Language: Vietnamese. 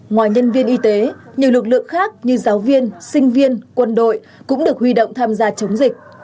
ngoài nhân viên y tế nhiều lực lượng khác như giáo viên sinh viên quân đội cũng được huy động tham gia chống dịch